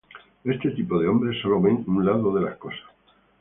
Este tipo de hombres solo ven un lado de las cosas.